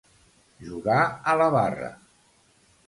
Jugar a la barra.